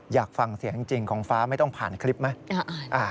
อยากฟังเสียงจริงของฟ้าไม่ต้องผ่านคลิปไหม